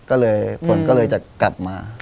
มันก็เลยจะกลับมาก็เลยผลกันก็เลยจะกลับมา